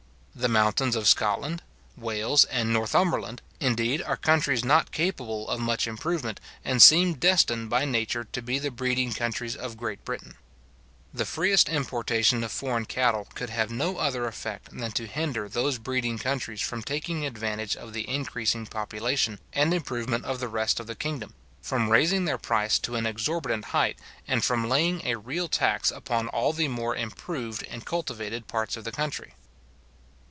The mountains of Scotland, Wales, and Northumberland, indeed, are countries not capable of much improvement, and seem destined by nature to be the breeding countries of Great Britain. The freest importation of foreign cattle could have no other effect than to hinder those breeding countries from taking advantage of the increasing population and improvement of the rest of the kingdom, from raising their price to an exorbitant height, and from laying a real tax upon all the more improved and cultivated parts of the country.